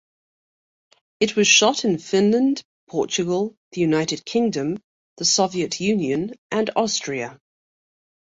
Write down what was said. It was shot in Finland, Portugal, the United Kingdom, the Soviet Union and Austria.